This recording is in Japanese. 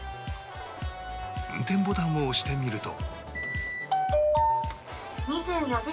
運転ボタンを押してみると